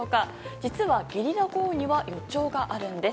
実はゲリラ豪雨には予兆があるんです。